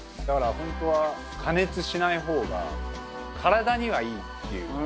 だから本当は加熱しない方が体にはいいっていう。